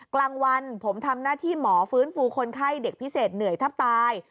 กลางวันผมทำหน้าที่หมอฟื้นฟูคนไข้เด็กพิเศษเหนื่อยแทบตาย